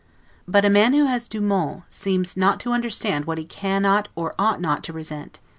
But a man who has 'du monde', seems not to understand what he cannot or ought not to resent.